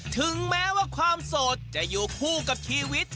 ถึงแม้ว่าความโสดจะอยู่คู่กับชีวิต